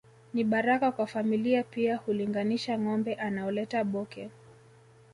Ni baraka kwa familia pia hulinganisha ngombe anaoleta Bhoke